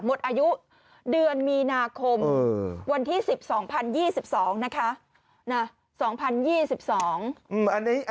หมดอายุเดือนมีนาคมวันที่๑๒๐๒๒นะคะ